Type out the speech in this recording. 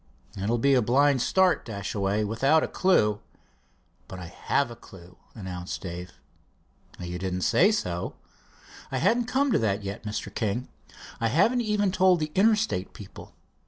"It will be a blind start, Dashaway, without a clew." "But I have a clew," announced Dave. "You didn't say so." "I hadn't come to that yet, Mr. King. I haven't even told the Interstate people.